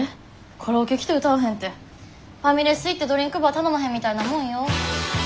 カラオケ来て歌わへんってファミレス行ってドリンクバー頼まへんみたいなもんよ。